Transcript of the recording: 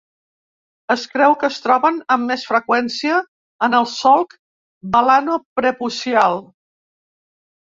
Es creu que es troben amb més freqüència en el solc balanoprepucial.